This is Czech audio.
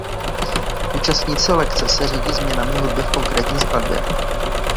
Účastníci lekce se řídí změnami hudby v konkrétní skladbě.